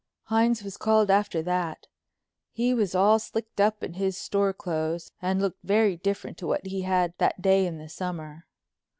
Hines was called after that. He was all slicked up in his store clothes and looked very different to what he had that day in the summer.